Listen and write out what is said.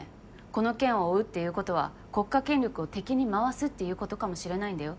この件を追うっていうことは国家権力を敵に回すっていうことかもしれないんだよ。